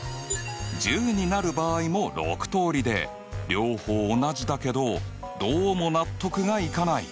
１０になる場合も６通りで両方同じだけどどうも納得がいかない。